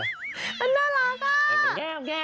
มันน่ารักอ่ะ